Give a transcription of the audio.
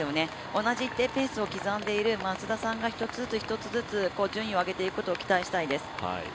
同じ一定のペースを刻んでいる松田さんが一つずつ一つずつ、順位を上げていくことを期待したいです。